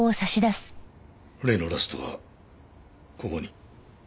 例のラストはここに？